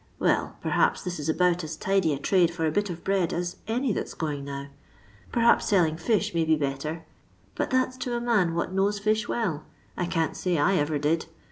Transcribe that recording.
Well, perhaps, I this IS about as tidy a trade for a bit of bread as I any that *s goix^ now. Perhaps selling fish may be better, but that 's to a nuui what knows fish welL I can't aay I ever did.